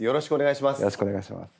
よろしくお願いします。